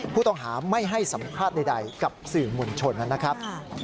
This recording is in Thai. ผู้ต้องหาไม่ให้สัมภาษณ์ใดกับสื่อมวลชนนะครับ